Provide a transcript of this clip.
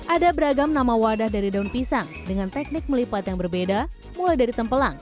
ada beragam nama wadah dari daun pisang dengan teknik melipat yang berbeda mulai dari tempelang